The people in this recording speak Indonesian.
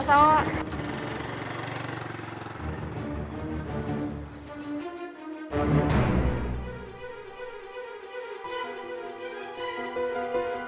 gua ngerjain dia